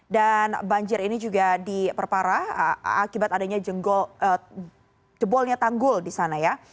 dan banjir ini juga diperparah akibat adanya jebolnya tanggul di sana ya